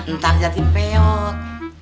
ntar jadi peyot